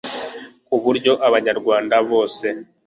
ku buryo abanyarwanda bose